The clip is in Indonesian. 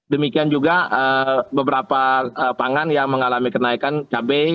demikian juga beberapa pangan yang mengalami kenaikan cabai